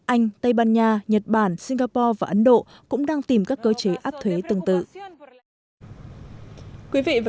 anh tây ban nha nhật bản singapore và ấn độ cũng đang tìm các cơ chế áp thuế tương tự